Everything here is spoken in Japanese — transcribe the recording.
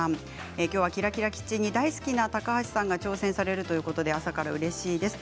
きょうは「ＫｉｒａＫｉｒａキッチン」に大好きな高橋さんが挑戦されるということで朝からうれしいです。